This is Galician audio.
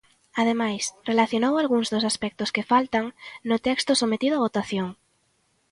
Ademais, relacionou algúns dos aspectos que "faltan" no texto sometido a votación.